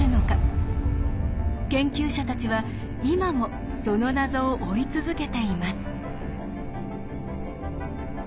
研究者たちは今もその謎を追い続けています。